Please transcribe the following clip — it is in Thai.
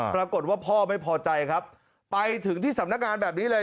ปรากฏว่าพ่อไม่พอใจครับไปถึงที่สำนักงานแบบนี้เลย